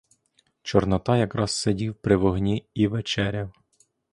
Чорнота якраз сидів при вогні і вечеряв.